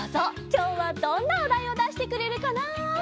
きょうはどんなおだいをだしてくれるかな？